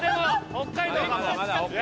北海道か？